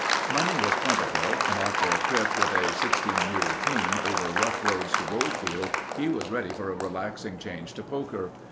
Money was plentiful and after a trip with a 16 mule team over rough roads to Goldfield, he was ready for a relaxing change to poker.